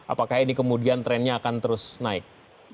apakah ini kemudian trennya akan terus naik